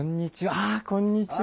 あこんにちは。